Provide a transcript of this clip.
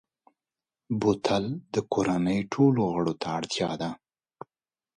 بوتل د کورنۍ ټولو غړو ته اړتیا ده.